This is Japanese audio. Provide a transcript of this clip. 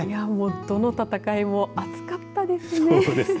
どの戦いも熱かったですね。